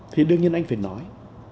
thì đương nhiên anh phải nói